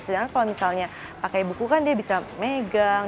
sedangkan kalau misalnya pakai buku kan dia bisa megang